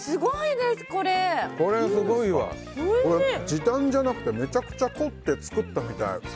時短じゃなくてめちゃくちゃ凝って作ったみたい。